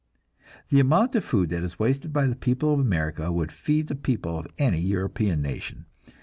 The amount of food that is wasted by the people of America would feed the people of any European nation.